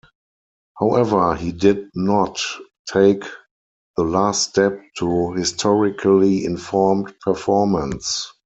However, he did not take the last step to "historically informed performance".